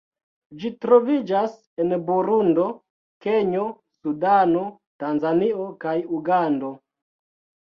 Ĝi troviĝas en Burundo, Kenjo, Sudano, Tanzanio kaj Ugando.